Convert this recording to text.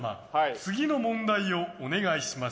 次の問題をお願いします。